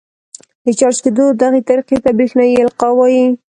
د چارج کېدو دغې طریقې ته برېښنايي القاء وايي.